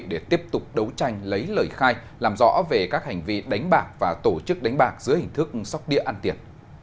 để tiếp tục đấu tranh lấy lời khai làm rõ về các hành vi đánh bạc và tổ chức đánh bạc dưới hình thức sóc địa ăn tiền